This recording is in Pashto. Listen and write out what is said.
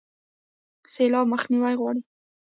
سیلاب مخنیوی غواړي